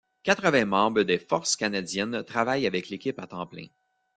Quatre-vingts membres des Forces canadiennes travaillent avec l'équipe à temps plein.